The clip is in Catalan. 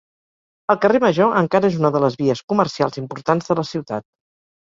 El carrer Major encara és una de les vies comercials importants de la ciutat.